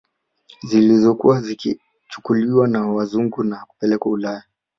Zilizokuwa zikichukuliwa na wazungu na kupelekwa Ulaya